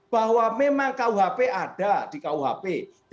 bahwa memang kuhp ada di kuhp